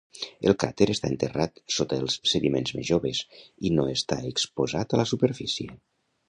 El cràter està enterrat sota els sediments més joves i no està exposat a la superfície.